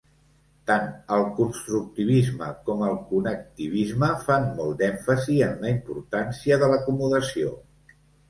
Tant el constructivisme com el connectivisme fan molt d'èmfasi en la importància de l'acomodació.